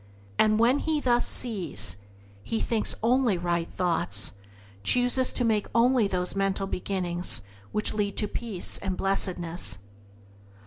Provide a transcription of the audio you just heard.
And when he thus sees, he thinks only right thoughts, chooses to make only those mental beginnings which lead to peace and blessedness.